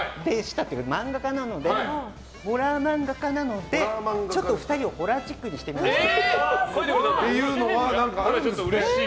せっかく一応漫画家なのでホラー漫画家なので２人をホラーチックにしてみました。